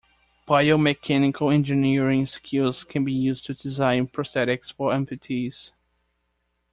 Bio-mechanical engineering skills can be used to design prosthetics for amputees.